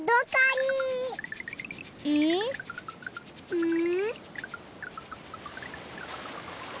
うん？